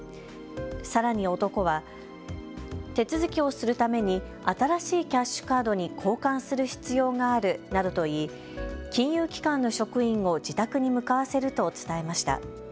さらに男は、手続きをするために新しいキャッシュカードに交換する必要があるなどと言い金融機関の職員を自宅に向かわせると伝えました。